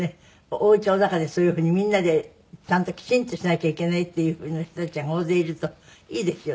おうちの中でそういう風にみんなでちゃんときちんとしなきゃいけないっていう風な人たちが大勢いるといいですよね。